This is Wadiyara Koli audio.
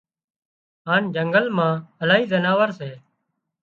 هانَ جنگل مان الاهي زناور سي